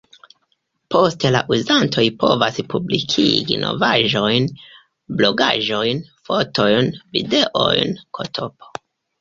Poste la uzantoj povas publikigi novaĵojn, blogaĵojn, fotojn, videojn, ktp.